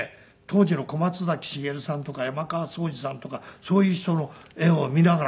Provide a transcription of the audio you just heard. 当時の小松崎茂さんとか山川惣治さんとかそういう人の絵を見ながら描いたんじゃないですか。